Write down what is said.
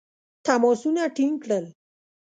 تماسونه ټینګ کړل.